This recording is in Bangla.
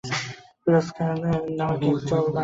ফিরোজ খান নামের এক জল মানসিক রোগীর চিকিৎসার দায়িত্বে নিয়োজিত।